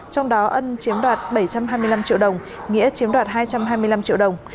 trong đó ân chiếm đoạt bảy trăm hai mươi năm triệu đồng nghĩa chiếm đoạt hai trăm hai mươi năm triệu đồng